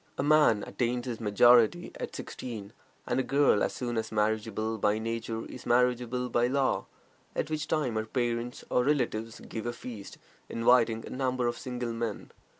A man "attains his majority" at sixteen, and a girl as soon as marriageable by nature is marriageable by law, at which time her parents or relatives give a feast, inviting a number of single men.